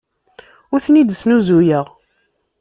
Ur ten-id-snuzuyeɣ.